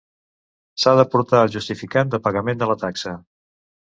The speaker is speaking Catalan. S'ha d'aportar el justificant de pagament de la taxa.